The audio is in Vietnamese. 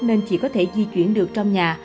nên chỉ có thể di chuyển được trong nhà